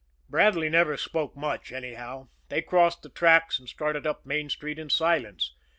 Bradley never spoke much, anyhow. They crossed the tracks and started up Main Street in silence.